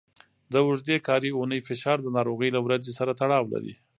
د اوږدې کاري اونۍ فشار د ناروغۍ له ورځې سره تړاو لري.